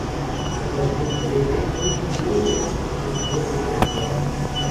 Actualmente vende un millón de latas de sirope dorado al mes.